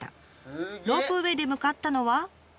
ロープウエーで向かったのは。